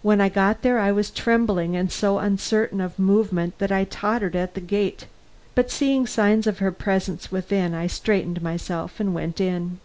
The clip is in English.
When I got there I was trembling and so uncertain of movement that I tottered at the gate. But seeing signs of her presence within, I straightened myself and went in.